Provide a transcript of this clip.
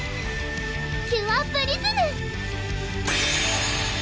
キュアプリズム！